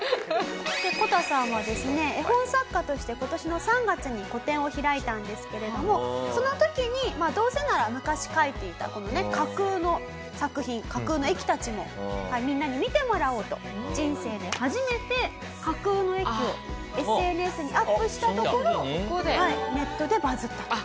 こたさんはですね絵本作家として今年の３月に個展を開いたんですけれどもその時にどうせなら昔描いていたこのね架空の作品架空の駅たちもみんなに見てもらおうと人生で初めて架空の駅をＳＮＳにアップしたところネットでバズったと。